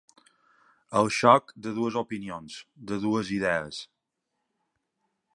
El xoc de dues opinions, de dues idees.